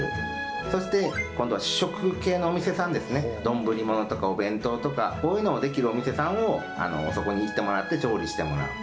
そして、今度は主食系のお店さんですね、丼ものとかお弁当とか、こういうのをできるお店さんを、そこに行ってもらって調理してもらう。